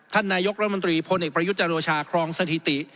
ท่านนายกรัฐมนตรีพลเอกประยุทธ์จโรชาครองสถิติ